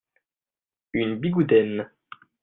Une Bigoudenn.